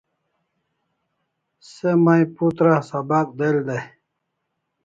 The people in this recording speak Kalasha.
Se may putra sabak del day